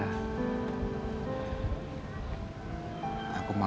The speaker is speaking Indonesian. aku mau menikah sama kamu